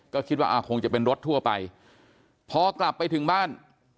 ก็คิดว่าอ่าคงจะเป็นรถทั่วไปพอกลับไปถึงบ้าน